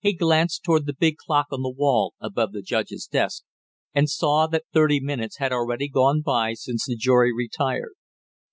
He glanced toward the big clock on the wall above the judge's desk and saw that thirty minutes had already gone by since the jury retired.